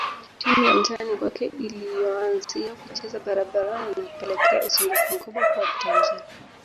Timu ya mtaani kwake iliyoanzia kucheza barabarani na kupelekea usumbufu mkubwa kwa wapita njia